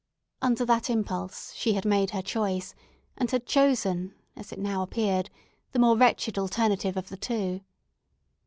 Under that impulse she had made her choice, and had chosen, as it now appeared, the more wretched alternative of the two.